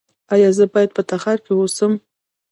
ایا زه باید په تخار کې اوسم؟